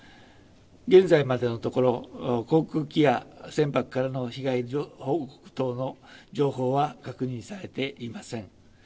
現在までのところ、航空機や船舶からの被害報告等の情報は確認されていません。